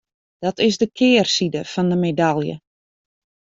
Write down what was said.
Dat is de kearside fan de medalje.